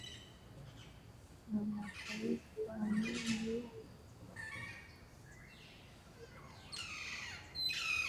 na mataifa mengi ulimwenguni yamesema lazima